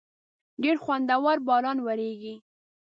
ډېر خوندور باران وریږی